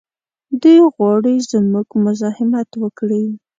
دوی غواړي زموږ مزاحمت وکړي.